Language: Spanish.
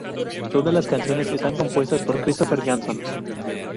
Todas las canciones están compuestas por Christofer Johnsson.